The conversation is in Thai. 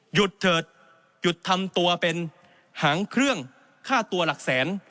เถิดหยุดทำตัวเป็นหางเครื่องค่าตัวหลักแสน